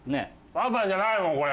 パパじゃないもんこれ。